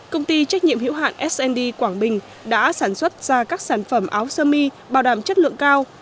công ty trách nhiệm hữu hạn snd quảng bình đã sản xuất ra các sản phẩm áo sơ mi bảo đảm chất lượng cao